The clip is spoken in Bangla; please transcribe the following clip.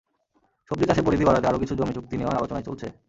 সবজি চাষের পরিধি বাড়াতে আরও কিছু জমি চুক্তি নেওয়ার আলোচনা চলছে।